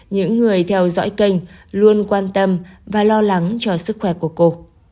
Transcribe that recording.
những người theo dõi kênh luôn quan tâm và lo lắng cho sức khỏe của cô